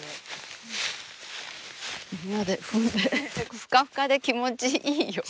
ふかふかで気持ちいいよ。